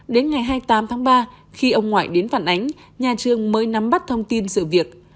đến ngày hai mươi tám tháng ba khi ông ngoại đến phản ánh nhà trường mới nắm bắt thông tin sự việc